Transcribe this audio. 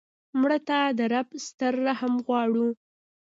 مړه ته د رب ستر رحم غواړو